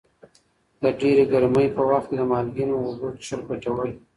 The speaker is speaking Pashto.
د ډېرې ګرمۍ په وخت کې د مالګینو اوبو څښل ګټور دي.